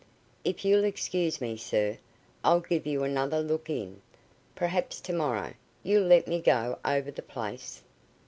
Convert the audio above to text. "If you'll excuse me, sir, I'll give you another look in. Perhaps, to morrow, you'll let me go over the place."